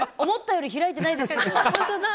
思ったより開いてないですけど。